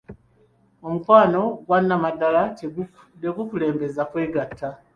Omukwano ogwanamaddala tegukulembeza kwegatta.